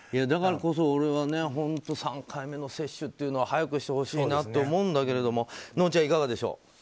だからこそ、俺は３回目の接種というのは早くしてほしいなと思うんだけどのんちゃん、いかがでしょう。